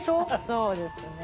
そうですね。